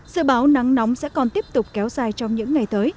sự báo nắng nóng sẽ còn tiếp tục kéo dài trong những ngày tới